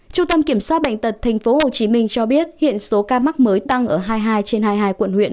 trung tâm kiểm soát bệnh tật tp hcm cho biết hiện số ca mắc mới tăng ở hai mươi hai trên hai mươi hai quận huyện